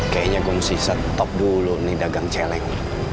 kayaknya gue mesti stop dulu nih dagang celeng